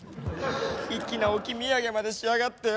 粋な置き土産までしやがってよ。